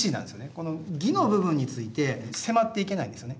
この義の部分について迫っていけないんですよね。